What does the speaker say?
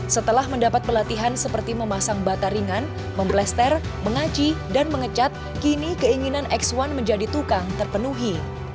setelah mendapat pelatihan seperti memasang bata ringan memblester mengaji dan mengecat kini keinginan x satu menjadi tukang terpenuhi